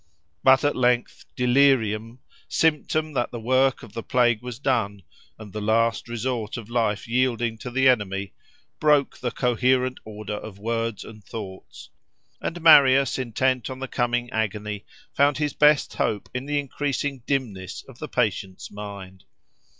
But at length delirium—symptom that the work of the plague was done, and the last resort of life yielding to the enemy—broke the coherent order of words and thoughts; and Marius, intent on the coming agony, found his best hope in the increasing dimness of the patient's mind.